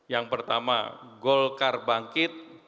yang pertama golkar bangkit